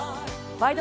「ワイド！